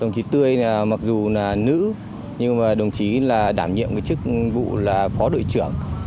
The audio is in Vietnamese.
đồng chí tươi là mặc dù là nữ nhưng mà đồng chí là đảm nhiệm cái chức vụ là phó đội trưởng